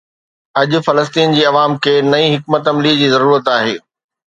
اڄ فلسطين جي عوام کي نئين حڪمت عملي جي ضرورت آهي.